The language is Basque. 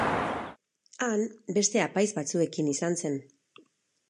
Han beste apaiz batzuekin izan zen.